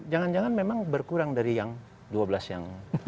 jangan jangan memang berkurang dari yang dua belas yang